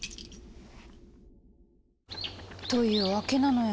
というわけなのよ。